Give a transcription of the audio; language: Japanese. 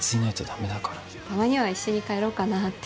たまには一緒に帰ろうかなって。